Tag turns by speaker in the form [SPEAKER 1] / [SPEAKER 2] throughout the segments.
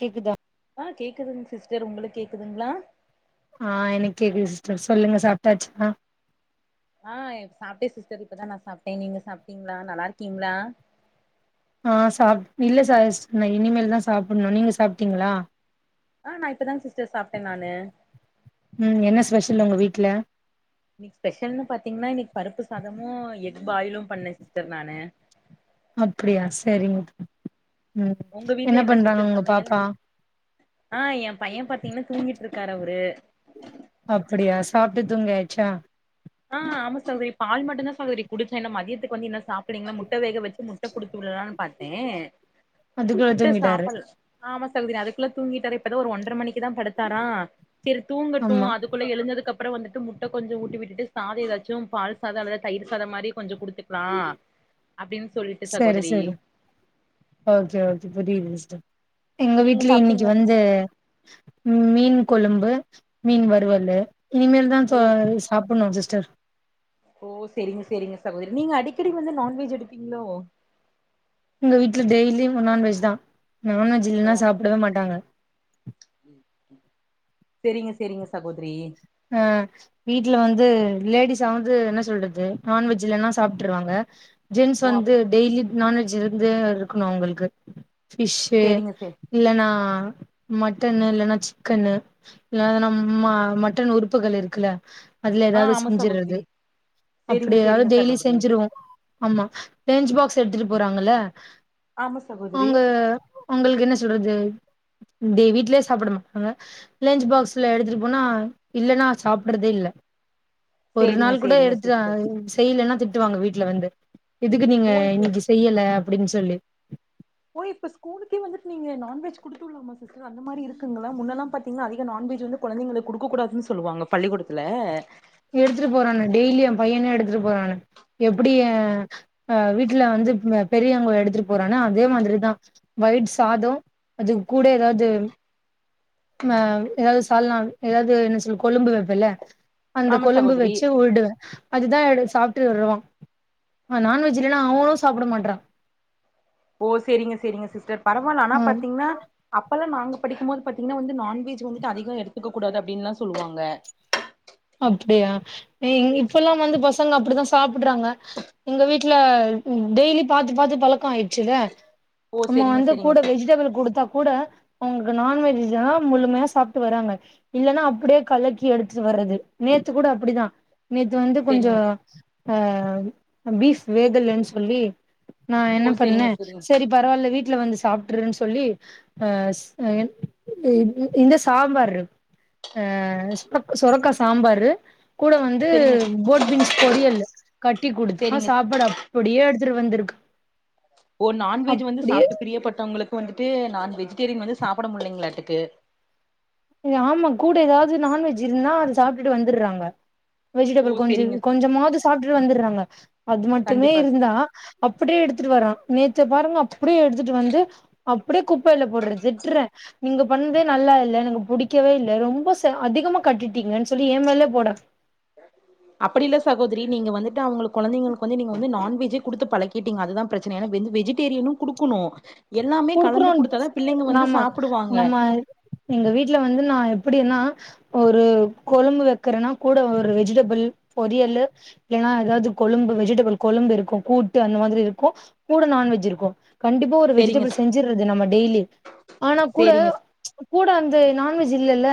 [SPEAKER 1] கேக்குதா
[SPEAKER 2] ஆ கேக்குதுங்க சிஸ்டர் உங்குளுக் கேக்குதுங்ளா
[SPEAKER 1] ஆ எனக் கேக்குது சிஸ்டர் சொல்லுங்க சாப்ட்டாச்சா
[SPEAKER 2] ஆ சாப்ட்டே சிஸ்டர் இப்பதா நா சாப்ட்டே நீங்க சாப்ட்டீங்களா நல்லா இருக்கீங்களா
[SPEAKER 1] ஆ சாப் இல்ல சாய்ஸ் இனிமேல் தா சாப்ணும் நீங்க சாப்ட்டீங்களா
[SPEAKER 2] ஆ நா இப்பதா சிஸ்டர் சாப்ட்டே நானு
[SPEAKER 1] ம் என்ன ஸ்பெஷல் ஒங்க வீட்ல
[SPEAKER 2] இன்னைக்கி ஸ்பெஷல்ன்னு பாத்தீங்கன்னா இன்னைக்கி பருப்பு சாதமும் எக் பாயிலும் பண்ணே சிஸ்டர் நானு
[SPEAKER 1] அப்டியா சரிங்க உம்
[SPEAKER 2] உங்க வீட்ல
[SPEAKER 1] என்ன பண்றாங்க
[SPEAKER 2] சிஸ்டர்
[SPEAKER 1] ஒங்க
[SPEAKER 2] சமையல்
[SPEAKER 1] பாப்பா
[SPEAKER 2] ஆ ஏ பைய பாத்தீங்கன்னா தூங்கிட்டு இருக்காரு அவுரு
[SPEAKER 1] அப்டியா சாப்ட்டு தூங்கியாச்சா
[SPEAKER 2] ஆ ஆமா சகோதரி பால் மட்டும்தா சகோதரி கொடுத்தே இன்னு மதியத்துக்கு வந்து இன்னு சாப்பிடலங்களா முட்ட வேக வச்சு முட்ட குடுத்துவுடலான்னு பாத்தே
[SPEAKER 1] அதுக்குள்ள
[SPEAKER 2] முட்ட
[SPEAKER 1] தூங்கிட்டாரு
[SPEAKER 2] சாப்டல ஆமா சகோதரி அதுக்குல்ல தூங்கிட்டாரா இப்பதா ஒரு ஒன்றர மணிக்கு தா படுத்தாரா சரி தூங்கட்டும்
[SPEAKER 1] ஆமா
[SPEAKER 2] அது குள்ள எழுஞ்சதுக்கு அப்புற வந்துட்டு முட்ட கொஞ்ச ஊட்டி விட்டுட்டு பாதி எதாச்சும் பால் சாதம் அல்லது தயிர் சாதம் மாதிரி கொஞ்ச குடுத்துக்கலா அப்டின்னு சொல்
[SPEAKER 1] சரி சரி ஓகே ஓகே புரிது சிஸ்டர் எங்க
[SPEAKER 2] நீங்க
[SPEAKER 1] வீட்ல இன்னைக்கி
[SPEAKER 2] சாப்ட்டீங்களா
[SPEAKER 1] வந்து ம் மீன் கொழும்பு மீன் வருவலு இனிமேல்தா
[SPEAKER 2] ஓ
[SPEAKER 1] சாப்ணும் சிஸ்டர்
[SPEAKER 2] ஓ சேரிங்க சேரிங்க சகோதரி நீங்க அடிக்கடி வந்து நான்வெஜ் எடுப்பீங்களோ
[SPEAKER 1] எங்க வீட்ல டெய்லியு நான்வெஜ் தா நான்வெஜ் இல்லன்னா சாப்டவே மாட்டாங்க
[SPEAKER 2] சேரிங்க சேரிங்க சகோதரி
[SPEAKER 1] ஆ வீட்ல வந்து லேடீஸ் ஆவது என்ன சொல்றது நான்வெஜ் இல்லனா சாப்ட்டுருவாங்க ஜென்ஸ்
[SPEAKER 2] ஓ
[SPEAKER 1] வந்து
[SPEAKER 2] அப்
[SPEAKER 1] டெய்லி நான்வெஜ் இருந்து இருக்கணு அவுங்களுக்கு ஃபிஷ்ஷு
[SPEAKER 2] செரிங்க செரி
[SPEAKER 1] இல்லன்னா மட்டன்னு இல்லன்னா சிக்கன்னு இல்லனா நம்ம மட் டன் உறுப்புகள் இருக்குல அதுல
[SPEAKER 2] ஆ
[SPEAKER 1] எதாவது
[SPEAKER 2] ஆமா
[SPEAKER 1] செஞ்சுறது
[SPEAKER 2] சகோதரி செரிங்க
[SPEAKER 1] அப்டி எதாவது
[SPEAKER 2] செரிங்க
[SPEAKER 1] டெய்லி
[SPEAKER 2] சகோதரி
[SPEAKER 1] செஞ்சுருவோ ஆமா லஞ்ச் பாக்ஸ் எடுத்துட்டு போறாங்கல
[SPEAKER 2] ஆமா சகோதரி
[SPEAKER 1] அவுங்க உங்களுக்கு என்ன சொல்றது டே வீட்லயே சாப்பிட மாட்டாங்க லன்ச் பாக்ஸ்ல எடுத்துட்டு போனா இல்லன்னா சாப்பிடறதே இல்ல ஒரு
[SPEAKER 2] செரிங்க
[SPEAKER 1] நாள் கூட
[SPEAKER 2] செரிங்க
[SPEAKER 1] எடுத்து
[SPEAKER 2] சிஸ்டர்
[SPEAKER 1] செய்யலன்னா திட்டுவாங்க வீட்டுல வந்து இதுக்கு நீங்க
[SPEAKER 2] ஓ இப்ப
[SPEAKER 1] இன்னைக்கு செய்யல அப்படின்னு சொல்லி
[SPEAKER 2] ஓ இப்ப ஸ்கூளுக்கே வந்து நீங்க நான்வெஜ் கொடுத்து விடலாமா சிஸ் டர் அந்த மாதிரி இருக்குங்களா முன்னெல்லா பாத்தீங்கன்னா அதிக நான்வெஜ் வந்து குழந்தைங்களுக்கு கொடுக்கூடாதுன்னு சொல்லுவாங்க பள்ளிக்கூடத்துல
[SPEAKER 1] எடுத்துட்டு போறானு டெய்லி எ பையனே எடுத்துட்டு போறானு எப்படி அ வீட்டுல வந்து பெரியவங்க எடுத்துட்டு போறான்னு அதே மாதிரிதா வய்ட் சாதோ அதுக்கு கூட ஏதாது அ ஏதாது சால்னா ஏதாவது என்ன சொல் கொழும்பு வைப்பல்ல அந்த
[SPEAKER 2] ஆமா
[SPEAKER 1] கொழும்பு
[SPEAKER 2] சகோதரி
[SPEAKER 1] வச்சு ஊடுவ அதுதா சாப்பிட்டு வருறவா நான்வெஜ் இல்லன்னா அவனு சாப்ட மாட்டறா
[SPEAKER 2] ஓ செரிங்க செரிங்க சிஸ்டர் பரவாயில்ல ஆனா
[SPEAKER 1] அ
[SPEAKER 2] பாத்தீங்கன்னா அப்பெல்லா நாங்க படிக்கும்போது பாத்தீங்கன்னா வந்து நான்வெஜ் வந்துட்டு அதிகோ எடுத்துக்க கூடாது அப்படின்னுலா சொல்லுவாங்க
[SPEAKER 1] அப்படியா இப்பல்லா வந்து பசங்க அப்படித்தா சாப்பிடுறாங்க எங்க வீட்டு ல்ல டெய்லி பாத்து பாத்து பழக்கோ ஆயிடுச்சுல
[SPEAKER 2] ஓ
[SPEAKER 1] நம்ம
[SPEAKER 2] சேரிங்க
[SPEAKER 1] வந்து
[SPEAKER 2] சேரிங்க
[SPEAKER 1] கூட
[SPEAKER 2] சிஸ்
[SPEAKER 1] வெஜிடெபிள் குடுத்தா கூட அவங்களுக்கு நான்வெஜ்ல்லா முழுமையா சாப்பிட்டு வராங்க இல்லன்னா அப்படியே கலக்கி எடுத்துட்டு வர்றது நேத்து கூட அப்டிதா நேத்து வந்து கொஞ்சோ
[SPEAKER 2] சேரிங்க
[SPEAKER 1] அ பீஃப் வேகலன் சொல்லி நா என்ன
[SPEAKER 2] ஓ சேரிங்க
[SPEAKER 1] பண்ணே
[SPEAKER 2] சேரிங்க
[SPEAKER 1] சரி பரவால்ல வீட்ல வந்து சாப்ட்டுரு சொல்லி அ ஸ் இந் இந் இந்த சாம்பார்ரு அ சொரக் சொரக்கா சாம்பாரு கூட வந்து
[SPEAKER 2] சேரிங்க
[SPEAKER 1] போட்பீன்ஸ் பொரியலு கட்டி குடுத்தா
[SPEAKER 2] சேரிங்க
[SPEAKER 1] சாப்பாட அப் அப்டியே எடுத்துட்டு வந்திருக்கா
[SPEAKER 2] ஓ நான்வெஜ் வந்து சாப்ட்டு பிரியப்பட்டவங்களுக்கு வந்துட்டு நான் வெஜிடேரியன் வந்து சாப்பிட முடிலைங்ளாட்டுக்கு
[SPEAKER 1] ஆமா கூட ஏதாவ்து நான்வெஜ்ருந்னா அத சாப்ட்டுட்டு வந்துர்றாங்க
[SPEAKER 2] ஓ
[SPEAKER 1] வெஜிடபிள் கொஞ்சோ
[SPEAKER 2] சேரிங்க
[SPEAKER 1] கொஞ்சமாது சாப்ட்டு வந்துர்றாங்க அது மட்டுமே
[SPEAKER 2] கண்டிப்பா
[SPEAKER 1] இருந்தா அப்டியே எடுத்துட்டு வறான் நேத்து பாருங்க அப்டியே எடுத் துட்டு வந்து அப்டியே குப்பைல போட்றது திட்டுறே நீங்க பண்ணதே நல்லா இல்ல எனக் பு புடிக்கவே இல்ல ரொம்ப ச அதிகமா கட்டிட்டீங்கன் சொல்லி எ மேல போடா
[SPEAKER 2] அப்படி இல்ல சகோதரி நீங்க வந்துட்டு அவங்களுக் கொழந்தைங்களுக்கு வந்து நீங்க வந்து நான்வெஜ்ஜே குடுத்து பழக்கிட்டீங்க அதுதா பிரச்சன ஏனா வெஜி வெஜிடேரியனு குடுக்கணு எல்லாமே கலந்து
[SPEAKER 1] குடுக்குறோ
[SPEAKER 2] குடுத்தாதா பிள்ளைங்க வந்து
[SPEAKER 1] ஆமா
[SPEAKER 2] சாப்பிடுவாங்க
[SPEAKER 1] நம்ம எங்க வீட்ல வந்து நா எப்படினா ஒரு கொழம்பு வைக்கறேனா கூட ஒரு வெஜிடபுள் பொறியலு இல்லன்னா ஏதாது கொழும்பு வெஜிடபுள் கொழும்புருக்கு கூட்டு அந்த மாதிரி இருக்கு கூட நான்வெஜ் இருக்கு கண்டிப்பா ஒரு
[SPEAKER 2] சேரிங்க
[SPEAKER 1] வெஜிடபுள் செஞ்சுறது நம்ம டெய்லி ஆனா கூட
[SPEAKER 2] சேரிங்க
[SPEAKER 1] கூட அந்த நான்வெஜ் இல்லல்ல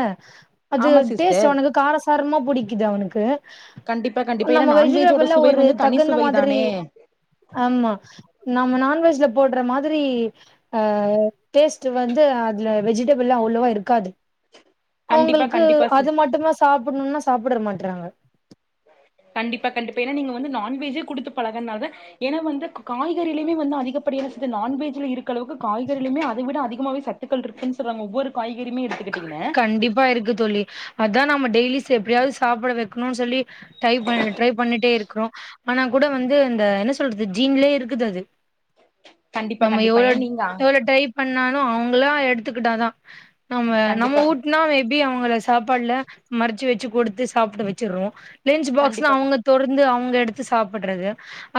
[SPEAKER 1] அது
[SPEAKER 2] ஆமா
[SPEAKER 1] டேஸ்ட்
[SPEAKER 2] சிஸ்டர்
[SPEAKER 1] அவனக்கு காரஸ் சாரமா புடிக்குது அவனுக்கு
[SPEAKER 2] கண்டிப்பா கண்டிப்பா
[SPEAKER 1] நம்ம
[SPEAKER 2] ஏன்னா நான்வெஜ்ஜோட
[SPEAKER 1] வெஜிடபுள்ள
[SPEAKER 2] சுவை
[SPEAKER 1] ஒரு
[SPEAKER 2] வந்து தனி
[SPEAKER 1] தகுந்த
[SPEAKER 2] சுவை
[SPEAKER 1] மாதிரி
[SPEAKER 2] தானே
[SPEAKER 1] ஆமா நாம நான் வெஜ்ல போடுற மாதிரி அ டேஸ்ட் வந்து அதுல வெஜிடபில்ல அவ்ளவா இருக்காது
[SPEAKER 2] கண்டிப்பா
[SPEAKER 1] அவங்ளுக்கு
[SPEAKER 2] கண்டிப்பா சி
[SPEAKER 1] அது மட்டுந்தா சாப்பிட்ணுனா சாப்பிட்ற மாட்றாங்க
[SPEAKER 2] கண்டிப்பா கண்டிப்பா ஏனா நீங்க வந்து நான்வெஜ்ஜே குடுத்து பழகனால தா ஏனா வந்து காய்கறிலுமே வந்து அதிகப்படியான சத்து நான்வெஜ்ல இருக்க அளவுக்கு காய்கறிலமே அத விட அதிமாவே சத் துகள் இருக்குன் சொல்றாங்க ஒவ்வொரு காய்கறியுமே இருக்
[SPEAKER 1] கண்டிப்பா இருக்கு தோழி அதா நம்ம டெய்லி எப்டியாவது சாப்பிட வைக்கணுன் சொல்லி டைப் பண்ணி ட்ரை பண்ணிட்டேருக்றோ ஆனா கூட வந்து அந்த என்ன சொல்றது ஜீன்லயே இருக்குது அது
[SPEAKER 2] கண்டிப்பா
[SPEAKER 1] நம்ம
[SPEAKER 2] கண்டிப்பா
[SPEAKER 1] எவ்ளோ
[SPEAKER 2] ஏன்னா நீங்க ஆ-
[SPEAKER 1] எவ்வளோ டைப் பண்ணாலு அவங்களா எடுத்துக்கிட்டாதா நம்ம நம்ம
[SPEAKER 2] கண்டிப்பா
[SPEAKER 1] ஊட் பண்ணா மேபி அவங்கள சாப்பாட்ல மறச்சு வச்சு குடுத்து சாப்ட வச்சுர்றோ லென்ச் பாக்ஸ்னா
[SPEAKER 2] கண்டிப்பா
[SPEAKER 1] அவுங்க தொறந்து அவுங்க எடுத்து சாப்புட்றது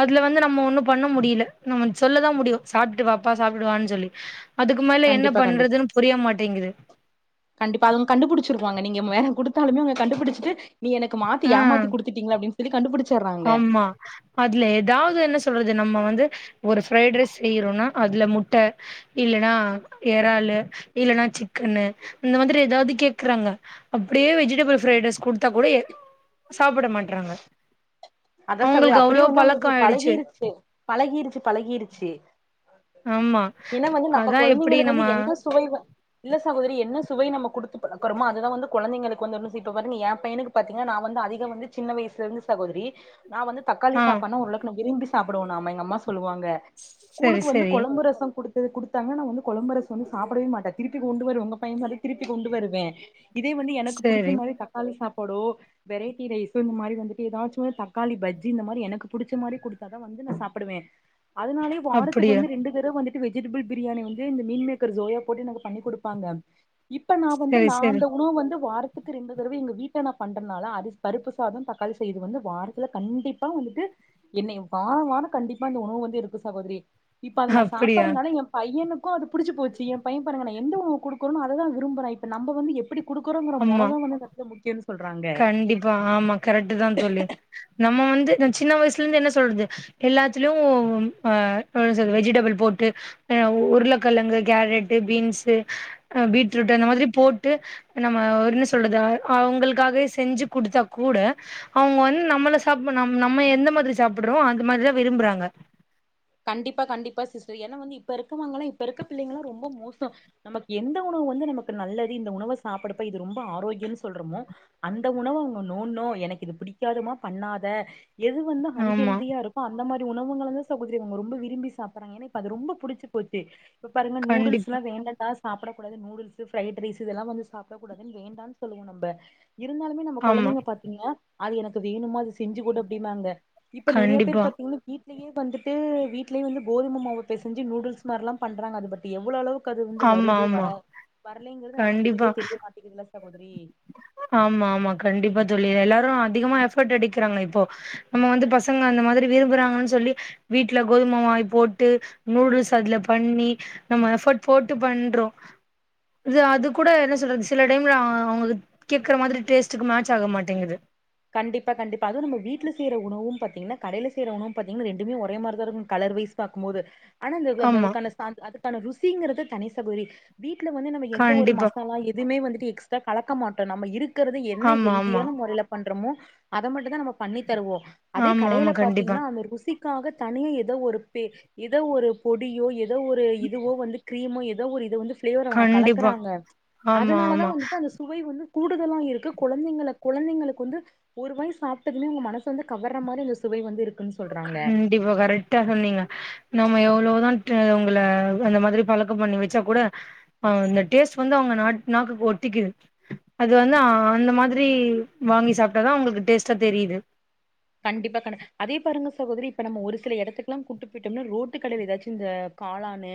[SPEAKER 1] அதுல வந்து நம்ம ஒன்னு பண்ண முடியல நம்ம சொல்ல தா முடியு சாப்ட்டு வாப்பா சாப்ட்டுவான் சொல்லி அதுக்கு மேல என்ன
[SPEAKER 2] கண்டிப்பா கண்டிப்
[SPEAKER 1] பண்றதுன்னு புரியமாட்டேங்குது
[SPEAKER 2] கண்டிப்பா அதும் கண்டுபுடிச்சிருவாங்க நீங்கம் வேற குடுத்தாலுமே அவுங்க கண்டுபுடிச்ட்டு நீ எனக் மாத்தி ஏமாத்தி
[SPEAKER 1] ஆஹ்
[SPEAKER 2] குடுத்திட்டிங்ளா அப்டின் சொல்லி கண்டுபுடிச்சார்றாங்க
[SPEAKER 1] ஆமா அதுல ஏதாவ்து என்ன சொல்றது நம்ம வந்து ஒரு பிரைட் ரைஸ் செய்யறோன்னா அதுல முட்ட இல்லன்னா ஏறாளு இல்லன்னா சிக்கன்னு இந்த மாதிரி ஏதாவ்து கேக்குறாங்க அப்டியே வெஜிடபிள் ஃப்ரைட் ரைஸ் குடுத்தா கூடயே சாப்ட மாட்றாங்க
[SPEAKER 2] அதா சொல்தே அப்டியே வந்து
[SPEAKER 1] பழக்கோ
[SPEAKER 2] அவங்ளுக்கு
[SPEAKER 1] ஆயிடுச்சு
[SPEAKER 2] பழகிருச்சு பழகிருச்சு பழகிருச்சு
[SPEAKER 1] ஆமா
[SPEAKER 2] என்னா வந்து நம்ம
[SPEAKER 1] அதா எப்டி
[SPEAKER 2] கொழந்தைங்களுக்கு
[SPEAKER 1] நம்ம
[SPEAKER 2] வந்து என்ன சுவை வ இல்ல சகோதரி என்ன சுவை நம்ம குடுத்து பழக்கறமோ அதுதா வந்து கொழந்தைங்களுக்கு வந்து [unintelligible] இப்ப பாருங்க ஏ பையனுக்கு பாத்தீங்கனா நா வந்து அதிக வந்து சின்ன வயசுலருந்து சகோதரி நா வந்து தக்காளி
[SPEAKER 1] ஆ
[SPEAKER 2] சாப்பாட்னா ஓரளவுக்கு நா விரும்பி சாப்புடுவோ நாம எங்க அம்மா சொல்லுவாங்க
[SPEAKER 1] சரி
[SPEAKER 2] ஸ்கூலுக்கு வந்து
[SPEAKER 1] சரி
[SPEAKER 2] கொழம்பு ரசே குடுத் இது கொடுத்தாங்க நா வந்து கொழம்புரசோ வந்து சாப்பிடவே மாட்ட திருப்பி கொண்டு வருவே உங்க பையன் மாரி திருப்பி கொண்டு வருவே இதே வந்து எனக்கு புடிச்ச
[SPEAKER 1] சரி
[SPEAKER 2] மாதிரி தக்காளி சாப்பாடோ வெரைட்டி ரைஸோ இந்த மாரி வந்துட்டு ஏதாச்சுமே த தக்காளி பஜ்ஜி இந்த மாரி எனக்கு புடிச்ச மாரி கொடுத்தாதா வந்து நா சாப்புடுவே அதுனாலே வாரத்துக்கு
[SPEAKER 1] அப்டியா
[SPEAKER 2] வந்து ரெண்டு தடவ வந்துட் டு வெஜிடபிள் பிரியாணி வந்து இந்த மீன் மேக்கர் ஜோயா போட்டு எனக்கு பண்ணி குடுப்பாங்க இப்ப நா வந்து
[SPEAKER 1] சரி
[SPEAKER 2] நா
[SPEAKER 1] சரி
[SPEAKER 2] அந்த உணவு வந்து வாரத் துக்கு ரெண்டு தடவ எங்க வீட்ட நா பண்றனால அது பருப்பு சாதம் தக்காளி செய்து வந்து வாரத் துல கண்டிப்பா வந்துட்டு என்னை வா வானு கண்டிப்பா இந்த உணவு வந்து இருக்கு சகோதரி இப்ப அத நா
[SPEAKER 1] அப்டியா
[SPEAKER 2] சாப்பறதுனால எ பையனுக்கு அது புடிச்சு போச்சு எ பையன் பாருங்க நா எந்த உணவு குடுக்கறனோ அததா விரும்பறா இப்ப நம்ப வந்து எப்பிடி குடுக்குறோங்குற மோற
[SPEAKER 1] ஆமா
[SPEAKER 2] தா வந்து கடசில முக்கியோ
[SPEAKER 1] கண்டிப்பா ஆமா கரெக்ட் தா தோழி நம்ம வந்து அந்த சின்ன வயசுலருந்து என்ன சொல்றது எல்லாத்திலு ஆ வெஜிடபிள் போட்டு ஆ உருளைக்கழங்கு கேரட் பீன்ஸு ஆ பீட்ரூட் அந்த மாதிரி போட்டு நம்ம என்ன சொல்றது அவங்களுக்காகவே செஞ்சு குடுத்தாக் கூட அவங்க வந்து நம்மள சாப்பம் நம்ம எந்த மாதிரி சாப்புட்றோமோ அந்து மாரி தா விரும்புறாங்க
[SPEAKER 2] கண்டிப்பா கண்டிப்பா சிஸ்டர் ஏன்னா வந்து இப்ப இருக்கவங்கலா இப்ப இருக்க பிள்ளைங்கள்லாம் ரொம்ப மோசோ நமக்கு எந்த உணவு வந்து நமக்கு நல்லது இந்த உணவ சாப்புட்றப்ப இது ரொம்ப ஆரோக்கியன்னு சொல்றமோ அந்த உணவு அவங்க நோண்ட்னோ எனக்கு இது புடிக்காதுமா பண்ணாத எது வந்து
[SPEAKER 1] ஆமா
[SPEAKER 2] அன்ஹெல்தியா இருக்கு அந்த மாரி உணவுங்களதா சா கோதிரி அவங்க ரொம்ப விரும்பி சாப்பறாங்க ஏன்னா இப்ப அது ரொம்ப புடிச்ச போச்சு இப்ப பாருங்க
[SPEAKER 1] கண்டிப்பா
[SPEAKER 2] நூடுல்ஸ்ல்லா வேண்டா தா சாப்பிடக்க கூடாது நூடுல்ஸு பிரரைட் ரைஸ் இதெல்லா வந்து சாப்புடக்கூடாது வேண்டான் சொல்லுவோ நம்ப இருந்தாலுமே நம்ம
[SPEAKER 1] ஆமா
[SPEAKER 2] கொழந்தைங்க பாத்தீங்கன்னா அது எனக்கு வேணுமா அது செஞ்சு கூட அப்படிம்மாங்க இப்ப நெறையா பேர்
[SPEAKER 1] கண்டிப்பா
[SPEAKER 2] பாத்தீங்கன்னா வீட்லயே வந்துட் ட்ரு வீட்லே வந்து கோதுமைமாவு பெசஞ்சு நூடுல்ஸ் மாரிலா பண்ணறாங்க அது பத்தி எவ்ளோ அளவுக் கு அதுலருந்து
[SPEAKER 1] ஆமா
[SPEAKER 2] வருது
[SPEAKER 1] ஆமா
[SPEAKER 2] வரா வரலைங்கறது நமக்கு
[SPEAKER 1] கண்டிப்பா
[SPEAKER 2] சரியே தெரிய மாட்டேக்குதுல்ல சகோதரி
[SPEAKER 1] ஆமா ஆமா கண்டிப்பா தோழி எல்லாரு அதிகமா எஃபோர்ட் எடிக்கிறாங்க இப்போ நம்ம வந்து பசங்க அந்த மாதிரி விரும்புறாங்கன் சொல்லி வீட்ல கோதும மாய் போட்டு நூடுல்ஸ் அதுல பண்ணி நம்ம எஃபர்ட் போட்டு பண்றோ இது அது கூட என்ன சொல்றது சில டைம்ல அ அவங்களுக்கு கேக்கற மாரி டேஸ்ட்டுக்கு மேட்ச்சாக மாட்டேங்குது
[SPEAKER 2] கண்டிப்பா கண்டிப்பா அதுவு நம்ம வீட்ல செய்ற உணவு பாத்தீங்கன்னா கடையில செய்யிற உணவு பாத்தீங்கன்னா ரண்டுமே ஒர மாிதாருக்கு கலர்வைஸ் பாக்கபோது ஆனா அ அந்த
[SPEAKER 1] ஆமா
[SPEAKER 2] அதுக்கான அதுக்கான ருசிங்கிறது தனி சகோதரி வீட்ல வந்து நம்ம எந்த ஒரு
[SPEAKER 1] கண்டிப்பா
[SPEAKER 2] மசாலா எதுவுமே வந்துட்டு எக்ஸ்ட்ரா கலக்க மாட்டோ நம்ம இருக் ருக்குறது என்ன
[SPEAKER 1] ஆமா ஆமா
[SPEAKER 2] ஹெல்தியான மொறையில பண்றோமோ அத மட்டும்தா நம்ம பண்ணி தருவோ அதே
[SPEAKER 1] ஆமா ஆமா
[SPEAKER 2] கடையில
[SPEAKER 1] கண்டிப்பா
[SPEAKER 2] பாத்தீங்கன்னா அந்த ருசிக்காக தனியே ஏதோ ஒரு பே ஏதோ ஒரு பொடியோ ஏதோ ஒரு இதுவோ வந்து கிரீமோ ஏதோ ஒரு இத வந்து ஃப்ளேவர் அவங்க
[SPEAKER 1] கண்டிப்பா
[SPEAKER 2] கலக்குறாங்க
[SPEAKER 1] ஆமா
[SPEAKER 2] அதுனால தா
[SPEAKER 1] ஆமா
[SPEAKER 2] வந்துட்டு அந்த சுவை வந்து கூடுதலா இருக்கு கொழந்தைங்கள கொழந்தைங்களக் கு வந்து ஒரு வாய் சாப்புடதும்மே அவுங்க மனசு வந்து கவர்ற மாரி அந்த சுவை வந்து இருக்குன்னு சொல்றாங்க
[SPEAKER 1] இப்ப கரெக்டா சொன்னீங்க நம்ப எவ்ளேதா அவுங்கள அந்த மாதிரி பழக்கோ பண்ணி வச்சா கூட ஆ இந்த டேஸ்ட் வந்து அவங்க நாட் நாக்கு ஒட்டிக்கிது அது வந்து ஆ அந்த மாதிரி வாங்கி சாப்டாதா அவங்களுக்கு டேஸ்ட்டா தெரியுது
[SPEAKER 2] கண்டிப்பா கண்ட அதே பாருங்க சகோதரி இப்ப நம்ம ஒரு சில எடத்துக்கு எல்லா கூட்டு போட்டோம்னா ரோட்டு கடைலே ஏதாச்சு இந்த காளானு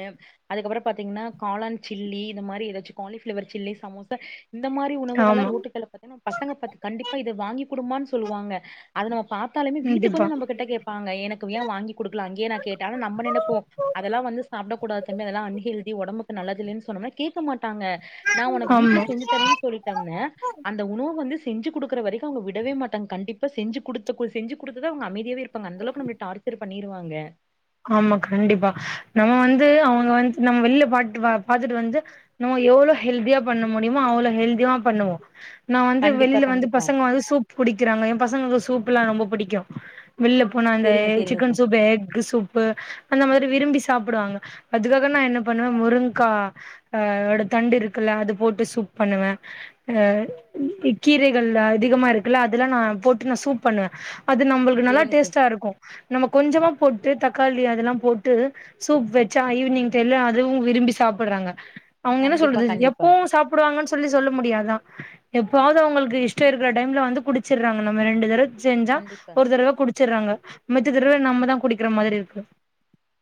[SPEAKER 2] அதுக்கப்ரோ பாத்தீங்னா காளான் சில்லி இது மாரி ஏதாச்சு காலிஃப்ளேவர் சில்லி சமோசா இந்த மாரி உணவுகள் எல்லா
[SPEAKER 1] ஆமா.
[SPEAKER 2] ரோட்டு கல்ல பாத்தேன்னா பசங்க பாத் கண்டிப்பா இத வாங்கி குடும்மான் சொல்லுவாங்க அத நம்ம பாத்தாலுமே வீட்டுக்கு
[SPEAKER 1] கண்டிப்பா.
[SPEAKER 2] வந்து நம்ம கிட்ட கேப்பாங்க எனக்கு ஏ வாங்கிகுடுக்கல அங்கே நா கேட்டாலு நம்ம நெனப்போ அதெல்லா வந்து சாப்ட கூடாது தம்பி அதெல்லா அன்ஹெல்தி ஓடம்புக்கு நல்லதில்லேன்னு சொன்னமுனாய் கேக்க மாட்டாங்க நா உனக்கு வீட்ல
[SPEAKER 1] ஆமா.
[SPEAKER 2] செஞ்சி தரேன்ஸ் சொல்லிடம்ன அந்த உணவு வந்து செஞ்சி குடுக்குற வரைக்கு அவங்க விடவே மாட்டாங்க கண்டிப்பா செஞ்சி குடுத் துககுள் செஞ்சி குடுத்துதா அவங்க அமைதியாவே இருப்பாங்க அந்த அளவுக்கு நம்மல டார்ச்சர் பண்ணிருவாங்க
[SPEAKER 1] ஆமா கண்டிப்பா நம்ம வந்து அவங்க வந்து நம்ம வெளில பாட்டு பா பாத்துட்டு வந்து நம்ம எவ்ளோ ஹெல்தியா பண்ண முடியுமே அவ்ளோ ஹெல்தியா பண்ணுவோ நா வந்து
[SPEAKER 2] கண்டிப்பா,
[SPEAKER 1] வெளில வந்து
[SPEAKER 2] கண்டிப்பா.
[SPEAKER 1] பசங்க வந்து சூப் குடிக்கிறாங்க ஏ பசங்களுக்கு சூப் எல்லா ரொம்ப பிடிக்கு வெள்ல போனா அந்த
[SPEAKER 2] சரிங்க, சரிங்க
[SPEAKER 1] chicken
[SPEAKER 2] sir.
[SPEAKER 1] Soup egg soup ப்பு அந்த மாரி விரும்பி சாப்டுவாங்க அதுக்காக நா என்ன பண்ணுவே முருங்கக்கா ஆ அதோட தண்டு இருக்குல்ல அது போட்டு சூப் பண்ணுவ அ ம் கீ கீரைகள் அதிகமா இருக்குல்ல அதெல்லா நா போட்டு நா சூப் பண்ணுவ அது நம்ளுக்கு நல்லா
[SPEAKER 2] சரிங்க சார்.
[SPEAKER 1] டேஸ்ட்டா இருக்கு நம்ம கொஞ்சமா போட்டு தக் காளி அதெல்லா போட்டு சூப் வச்சா ஈவினிங் டைம்ல அதுவு விரும்பி சாப்புடுறாங்க அவங்க என்ன
[SPEAKER 2] கண்டிப்பா,
[SPEAKER 1] சொல்றது இது
[SPEAKER 2] கண்டிப்பா,
[SPEAKER 1] எப்போவு சாப்புடுவாங்கன்னு சொல்லி சொல்ல முடியாது தா எப்பாவது அவங்களுக்கு இஷ்டம் இருக்கிற டைம்ல வந்து குடிச்சிறாங்க நம்ம ரெண்டு தடவ செஞ்சா
[SPEAKER 2] கண்டிப்பா.
[SPEAKER 1] ஒரு தடவ குடிச்சிறாங்க மெத்த தடவ நம்மதா குடிக்கிற மாரி இருக்கு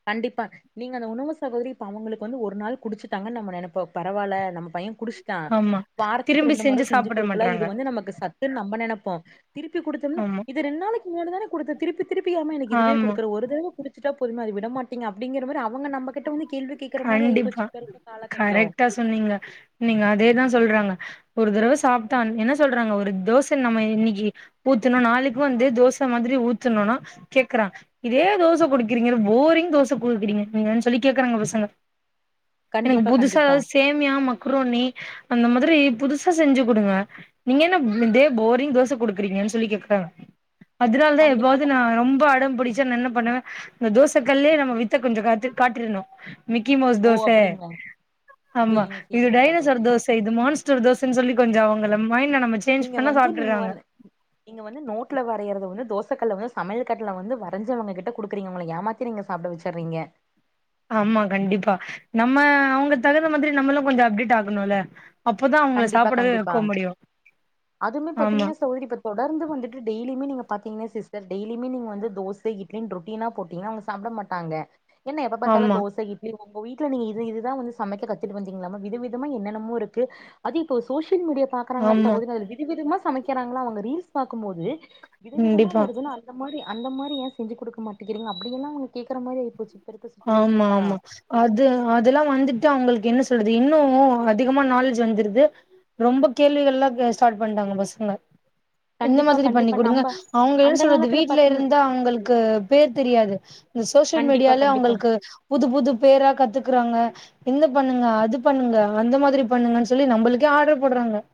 [SPEAKER 2] கண்டிப்பா நீங்க அந்த உணவு சகோதரி இப்ப அவங்களுக்கு வந்து ஒரு நாள் குடிச்சிட்டாங்க நம்ம நினைப்போவு பரவால்ல நம்ம பைய குடிச் டா
[SPEAKER 1] ஆமா
[SPEAKER 2] வாரத்துக்கு
[SPEAKER 1] திரும்பி
[SPEAKER 2] ரெண்டு முறை
[SPEAKER 1] செஞ்சு
[SPEAKER 2] செஞ்சி
[SPEAKER 1] சாப்பிட
[SPEAKER 2] குடுக்லா
[SPEAKER 1] மாட்றாங்க
[SPEAKER 2] இது வந்து நமக்கு சத்துன்னு நம்ம நனைப்போ திருப்பி குடுத்தோம்னா
[SPEAKER 1] ஆமா
[SPEAKER 2] இப் ரெண்டு நாளுக்கு முன்னாடிதான குடுத்த திருப்பி திருப்பி யம்மா எனக்கு இதுவே
[SPEAKER 1] ஆமா
[SPEAKER 2] குடுக்குற ஒரு தடவ குடிச்சிடா போதுமா விடமாட் டிங்க அப்டிங்கிற மாரி அவங்க நம்மகிட்ட வந்து கேள்வி கேட்கற மாரி ஆயிபேச்சி
[SPEAKER 1] கண்டிப்பா
[SPEAKER 2] இப்ப இருக்க கால காலகட்டோ
[SPEAKER 1] கரெக்டா சொன்னீங்க நீங்க அதேதா சொல்றாங்க ஒரு தடவ சாப்டான் என்ன சொல்றாங்க ஒரு தோச நம்ம இன்னைக்கி ஊத்துனோ நாளைக்கு வந்து தோச மாரி ஊத்துனோனா கேக்றா இதே தோச குடுக்குறீங்க போரிங் தோச குடுக்குறீங்க நீங்க சொல்லி கேக்குறாங்க பசங்க எனக்கு
[SPEAKER 2] கண்டிப்பா
[SPEAKER 1] புதுசா
[SPEAKER 2] கண்டிப்பா
[SPEAKER 1] எதாவது சேம் சேமியா மக்ரோன்னி அந்த மாரி புதுசா செஞ்சி குடுங்க நீங்க என்ன இதே போரிங் தோச குடுக்குறீங்கன்னு சொல்லி கேக்றாங்க அதனால தா
[SPEAKER 2] கண்டிப்பா
[SPEAKER 1] எப்பாது நா
[SPEAKER 2] கண்டி-
[SPEAKER 1] ரொம்ப அடம் பிடிச் ச என்ன பண்ணுவ இந்த தோச கல்லே நம்ம வித்த கொஞ்சோ காத்த காட்டிரணு மிக்கிமோஸ்
[SPEAKER 2] ஓ
[SPEAKER 1] தோச
[SPEAKER 2] அப்டிங்களா
[SPEAKER 1] ஆமா
[SPEAKER 2] சேரிங்க
[SPEAKER 1] இது
[SPEAKER 2] சேரிங்க
[SPEAKER 1] டைனோசர்
[SPEAKER 2] சகோதரி
[SPEAKER 1] தோஸ் இது மான்ஸ்டர் தோசன்னு சொல்லி கொஞ்சோ அவங்கள மைண்ட் நம்ம சேஞ் பண்ண சாப்ட்றுராங்க
[SPEAKER 2] இங்க வந்து நோட்ல வரையறத வந்து தோச கல்ல வந்து சமைல் கட்ல வந்து வரஞ்சி அவங்க கிட்ட குடுக்குறீங்க உங்கள ஏமாத் ரிங்க சாப்ட வச்சறீங்க
[SPEAKER 1] ஆமா கண்டிப்பா நம்ம அவங்க தகுந்த மாதிரி நம்மளு கொஞ்ச அப்டேட் ஆகணும்ல அப்போதா அவங்கள
[SPEAKER 2] கண்டிப்பா
[SPEAKER 1] சாப்டவே
[SPEAKER 2] கண்டிப்பா
[SPEAKER 1] வைக்க முடியு
[SPEAKER 2] அதுமே
[SPEAKER 1] ஆமா
[SPEAKER 2] பாத்தீங்கன்னா சகோதரி இப்ப தொடர்ந்து வந்துட்டு டெய்லியுமே நீங்க பாத்தீங்க சிஸ்டர் டெய்லியுமே நீங்க வந்து தோச இட்லி ரொட்டினா போட்டீங்னா அவங்க சாப்ட மாட் டாங்க என்ன எப்ப பாத்தாலு
[SPEAKER 1] ஆமா
[SPEAKER 2] தோச இட் லி உங்க வீட்டுல நீங்க இது இதுதா வந்து சமைக்க கத்துட்டு வந்தீங்களாமா வித விதமா என்னென்னமோ இருக்கு அது இப்போ சோஷியல் மீடியா பாக்கறாங்களா
[SPEAKER 1] ஆமா
[SPEAKER 2] சகோதரி அதுல விதவிதமா சமைக்கிறாங்களா அவங்க ரீல்ஸ் பாக்கும்போது வித விதமா
[SPEAKER 1] கண்டிப்பா
[SPEAKER 2] வருதுன்ன அந்த மாரி அந்த மாரி ஏன் செஞ்சு கொடுக்க மாட்டேங்கிறீங்க அப்டியெல்லா அவங்க கேக்குற மாரி ஆயி போச்சு இப்ப இருக்குற
[SPEAKER 1] ஆமா
[SPEAKER 2] சுச்சுவேஷன்லா
[SPEAKER 1] ஆமா அது அதெல்லா வந்துட்டு அவங்களுக்கு என்ன சொல்றது இன்னு அதிகமா நாலேஜ் வந்துருது ரொம்ப கேள்விகள்லா ஸ்டார்ட் பண்ணிட்டாங்க பசங்க இந்த
[SPEAKER 2] கண்டிப்பா
[SPEAKER 1] மாதிரி பண்ணி
[SPEAKER 2] கண்டிப்பா
[SPEAKER 1] குடுங்க
[SPEAKER 2] நம்ப
[SPEAKER 1] அவங்க என்ன
[SPEAKER 2] அந்த
[SPEAKER 1] சொல்றது
[SPEAKER 2] காலத்துல
[SPEAKER 1] வீட்டுல
[SPEAKER 2] பாத்தீங்க
[SPEAKER 1] இருந்தா அவங்களுக்கு பேர் தெரியாது இந்த சோசியல்
[SPEAKER 2] கண்டிப்பா
[SPEAKER 1] மீடியால
[SPEAKER 2] கண்டிப்பா
[SPEAKER 1] அவங்களுக்கு புது புது பேரா கத்துக்குறாங்க இந்த பண்ணுங்க அது பண்ணுங்க அந்த மாதிரி பண்ணுங்கன்னு சொல்லி நம்பளுக்கே ஆர்டர் போடுறாங்க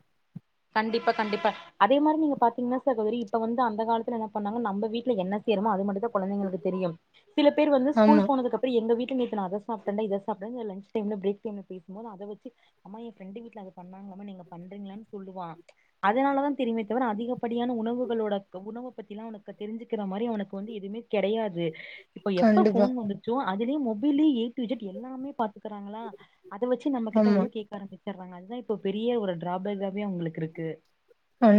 [SPEAKER 2] கண்டிப்பா கண்டிப்பா அதே மாதிரி நீங்க பாத்தீங்கன்னா சகோதரி இப்ப வந்து அந்த காலத்துல என்ன பண்ணாங்க நம் வீட்டுல என்ன செய்றமோ அது மட்டும் தா கொழந்தைங்களுக்கு தெரியு சில பேர் வந்து ஸ்கூல்
[SPEAKER 1] ஆமா
[SPEAKER 2] போனதுக்கு அப் ப்ப எங்க வீட்ல நேத்து நா அத சாப்டேன்டா இத சாப்டேன் லன்ச் டைம்ல பிரேக் டைம்ல பேசும்போது அத வச்சு அம்மா என் ஃப்ரெண்டு வீட்டுல அது பண்ணாங்கம்மா நீங்க பண்றீங்களனு சொல்லுவா அதனால தா தெரியுமே தவிர அதிகப்படியான உணவுகளோட உணவ பத்திலா அவனுக்கு தெரிஞ்சுக்கிற மாரி அவனுக்கு வந்து எதுமே கெடையாது இப்ப எப்ப
[SPEAKER 1] கண்டிப்பா
[SPEAKER 2] போன் வந்துச்சோ அதுலயே மொபைலு ஏ டு இஜட் எல்லாமே பாத்துக்கறாங்களா அத வச்சு நம்ம கிட்ட
[SPEAKER 1] ஆமா
[SPEAKER 2] வந்து கேட்க ஆரம்பிச்சறாங்க அதுதா இப்போ பெரிய ஒரு டிராபேக்காகவே அவங்களுக்கு இருக்கு
[SPEAKER 1] கண்